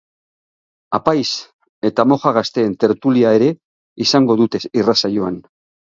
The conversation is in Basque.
Apaiz eta moja gazteen tertulia ere izango dute irratsaioan.